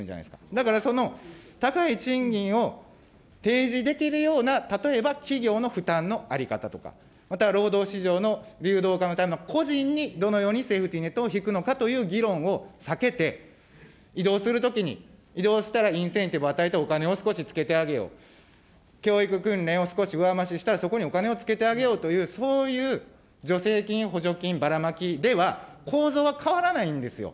だから、その高い賃金を提示できるような、例えば企業の負担の在り方とか、また労働市場の流動化のための、個人にどのようにセーフティネットをひくのかという議論を避けて、移動するときに、移動したらインセンティブを与えてお金を少しつけてあげよう、教育訓練を少し上増ししたら、そこにお金をつけてあげようというそういう助成金、補助金、ばらまきでは、構造は変わらないんですよ。